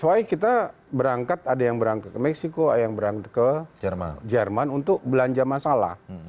jadi kita berangkat ada yang berangkat ke meksiko ada yang berangkat ke jerman untuk belanja masalah